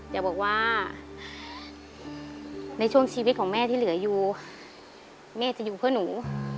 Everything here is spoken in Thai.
อย่าบอกว่าในช่วงชีวิตของแม่ที่เหลืออยู่แม่จะอยู่เพื่อหนู